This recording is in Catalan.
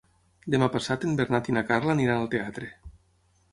Demà passat en Bernat i na Carla aniran al teatre.